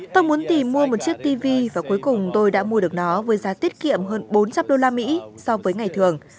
tôi muốn tìm mua một chiếc tv và cuối cùng tôi đã mua được nó với giá tiết kiệm hơn bốn trăm linh usd so với ngày thường